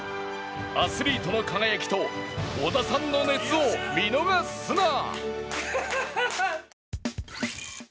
アスリートの輝きと織田さんの熱を見逃すな！